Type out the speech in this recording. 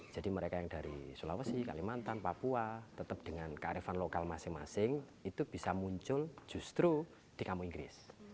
jadi mereka yang dari sulawesi kalimantan papua tetap dengan kearifan lokal masing masing itu bisa muncul justru di kampung inggris